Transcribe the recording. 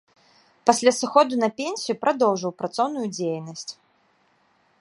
Пасля сыходу на пенсію, прадоўжыў працоўную дзейнасць.